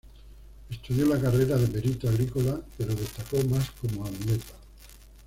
Estudió la carrera de perito agrícola, pero destacó más como atleta.